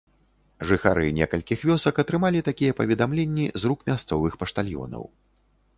Жыхары некалькіх вёсак атрымалі такія паведамленні з рук мясцовых паштальёнаў.